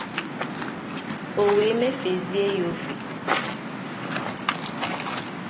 o wee mefèzie ya ófè.